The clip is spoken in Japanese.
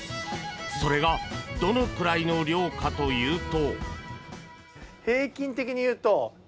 それがどのくらいの量かというと。